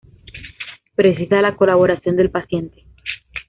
Precisa la colaboración del paciente.